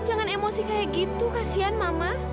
jangan emosi kayak gitu kasian mama